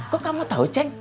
kok kamu tahu ceng